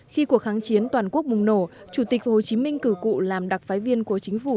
khi cuộc kháng chiến toàn quốc bùng nổ chủ tịch hồ chí minh cử cụ làm đặc phái viên của chính phủ